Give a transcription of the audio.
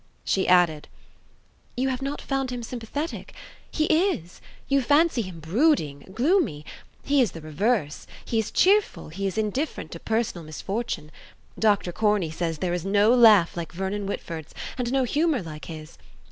She added: "You have not found him sympathetic? He is. You fancy him brooding, gloomy? He is the reverse, he is cheerful, he is indifferent to personal misfortune. Dr. Corney says there is no laugh like Vernon Whitford's, and no humour like his.